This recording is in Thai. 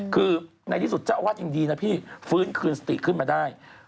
คือในที่สุดเจ้าอาวาสยังดีนะพี่ฟื้นคืนสติขึ้นมาได้